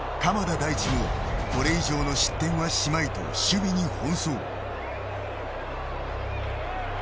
大地をこれ以上の失点はしまいと守備に奔走。